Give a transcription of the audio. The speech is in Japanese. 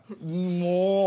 もう！